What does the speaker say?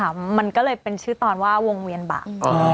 มันก็เลยเป็นชื่อตอนว่าวงเวียนบาป